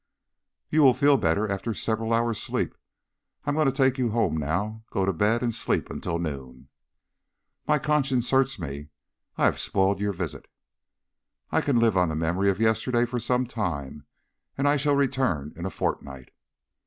"You will feel better after several hours' sleep. I am going to take you home now. Go to bed and sleep until noon." "My conscience hurts me. I have spoiled your visit." "I can live on the memory of yesterday for some time, and I shall return in a fortnight."